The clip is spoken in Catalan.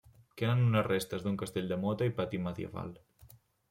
Queden unes restes d'un castell de mota i pati medieval.